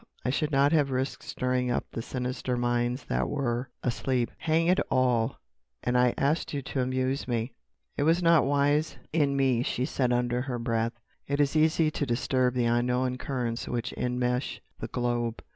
I should not have risked stirring up the sinister minds that were asleep." "Hang it all!—and I asked you to amuse me." "It was not wise in me," she said under her breath. "It is easy to disturb the unknown currents which enmesh the globe.